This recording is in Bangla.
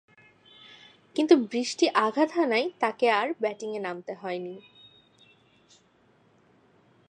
কিন্তু বৃষ্টি আঘাত হানায় তাকে আর ব্যাটিংয়ে নামতে হয়নি।